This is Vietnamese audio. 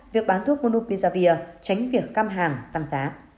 việc bán thuốc monopizavir tránh việc cam hàng tăng giá